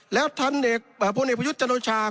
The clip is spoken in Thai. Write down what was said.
แล้วท่านเอกผู้เอกพระยุทธ์จันทรวชา